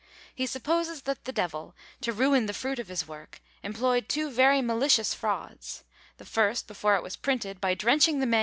He supposes that the Devil, to ruin the fruit of this work, employed two very malicious frauds: the first before it was printed, by drenching the MS.